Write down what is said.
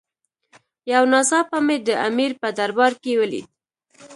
یو ناڅاپه مې د امیر په دربار کې ولید.